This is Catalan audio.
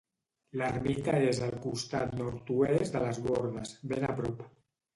L'ermita és al costat nord-oest de les bordes, ben a prop.